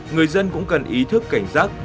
người dân cũng cần ý thức cảnh giác